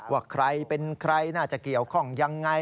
ว่าใครเป็นใครน่าจะเกี่ยวข้องยังไง